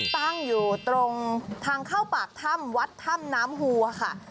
ตั้งอยู่ตรงทางเข้าปากถ้ำวัดถ้ำน้ำฮูค่ะ